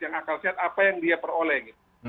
akal sehat apa yang dia peroleh